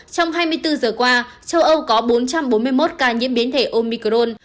trong hai mươi bốn giờ qua châu âu có bốn trăm bốn mươi một ca nhiễm biến thể omicron